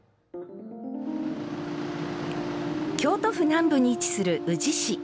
京都府南部に位置する宇治市。